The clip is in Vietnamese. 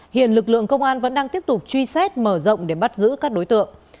hiện lực lượng công an vẫn đang tiếp tục truy xét mở rộng để bắt giữ các đối tượng